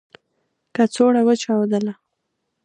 کڅوړه و چاودله .